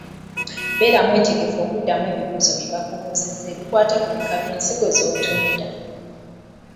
Beera mwetegefu okuddamu ebibuuzo bye bakubuuza ebikwat ku bika by’ensigo by’otunda.